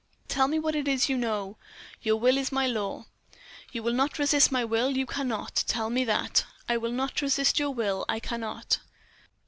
"Tell me what it is you know." "Your will is my law." "You will not resist my will, you cannot. Tell me that." "I will not resist your will, I cannot."